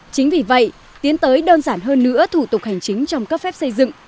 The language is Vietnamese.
chính vì vậy tiến tới đơn giản hơn nữa thủ tục hành chính trong cấp phép xây dựng